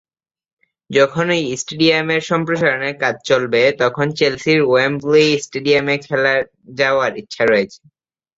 যখন এই স্টেডিয়ামের সম্প্রসারণের কাজ চলবে, তখন চেলসির ওয়েম্বলি স্টেডিয়ামে খেলার যাওয়ার ইচ্ছা রয়েছে।